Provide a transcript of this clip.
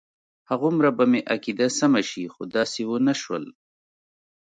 هغومره به مې عقیده سمه شي خو داسې ونه شول.